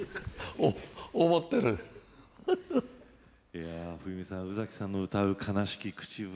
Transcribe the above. いや冬美さん宇崎さんの歌う「悲しき口笛」